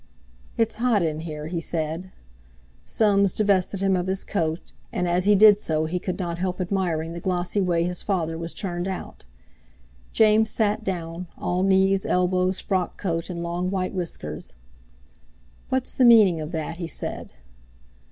"It's hot in here," he said. Soames divested him of his coat, and as he did so could not help admiring the glossy way his father was turned out. James sat down, all knees, elbows, frock coat, and long white whiskers. "What's the meaning of that?" he said.